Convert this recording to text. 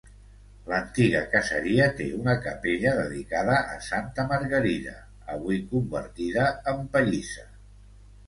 L'antiga caseria té una capella dedicada a Santa Margarida, avui convertida en pallissa.